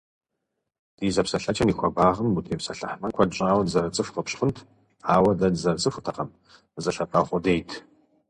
Ди зэпсэлъэкӏэм и хуэбагъым утепсэлъыхьмэ, куэд щӏауэ дызэрыцӏыхуу къыпщыхъунт, ауэ дэ дызэрыцӏыхуртэкъым дызэлъэпкъэгъу къудейт.